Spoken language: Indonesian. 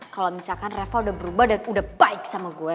kalau misalkan reval udah berubah dan udah bike sama gue